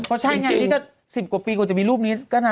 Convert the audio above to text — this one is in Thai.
เพราะใช่อย่างนี้ก็๑๐กว่าปีกว่าจะมีรูปนี้ก็นะ